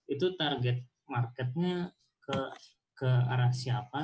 itu target marketnya ke arah siapa